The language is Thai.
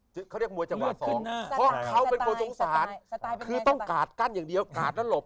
เขาเรียกมวยจังหวะสองเพราะเขาเป็นคนสงสารคือต้องกาดกั้นอย่างเดียวกาดแล้วหลบ